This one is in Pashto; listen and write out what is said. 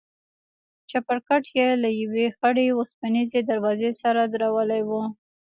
چپرکټ يې له يوې خړې وسپنيزې دروازې سره درولى و.